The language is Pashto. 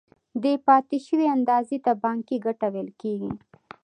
دې پاتې شوې اندازې ته بانکي ګټه ویل کېږي